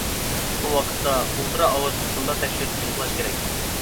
بۇ ۋاقىتتا ئۇلترا ئاۋاز دولقۇنىدا تەكشۈرتۈپ ئېنىقلاش كېرەك.